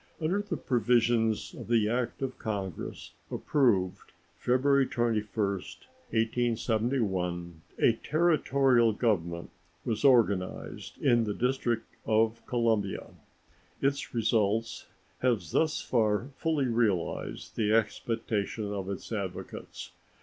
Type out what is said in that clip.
Under the provisions of the act of Congress approved February 21, 1871, a Territorial government was organized in the District of Columbia. Its results have thus far fully realized the expectations of its advocates.